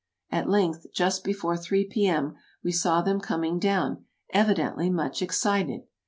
At length, just before three P.M., we saw them coming down, evidently much excited.